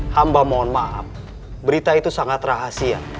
hamba mohon maaf berita itu sangat rahasia